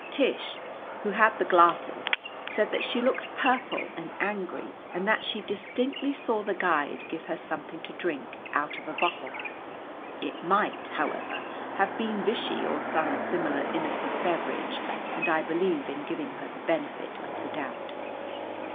Tish, who had the glasses, said that she looked purple and angry, and that she distinctly saw the guide give her something to drink out of a bottle. It might, however, have been vichy or some similar innocent beverage, and I believe in giving her the benefit of the doubt.